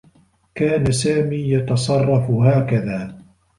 كان سامي يتصرّف هكذا.